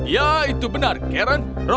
ya itu benar karen